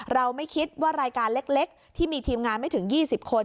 เราไม่คิดว่ารายการเล็กที่มีทีมงานไม่ถึง๒๐คน